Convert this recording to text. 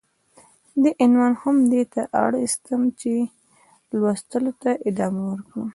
دې عنوان هم دې ته اړيستم چې ،چې لوستلو ته ادامه ورکړم.